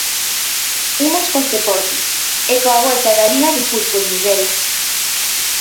Imos cos deportes, a coa volta da Liga de fútbol, Miguel.